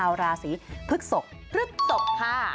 สวัสดีค่ะ